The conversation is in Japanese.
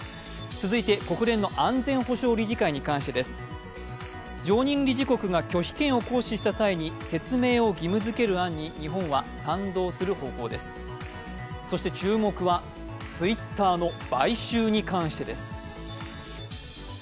続いて国連の安全保障理事会に関してです。常任理事国が拒否権を行使した際に説明を義務づける案にそして注目はツイッターの買収に関してです。